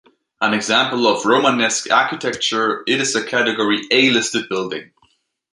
An example of Romanesque architecture, it is a category A listed building.